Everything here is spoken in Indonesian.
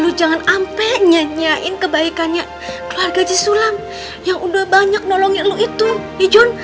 lo jangan ampe nyanyain kebaikannya keluarga jisulam yang udah banyak nolongin lo itu ya jon